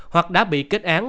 hoặc đã bị kết án